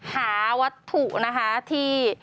หาวัตถุนะคะที่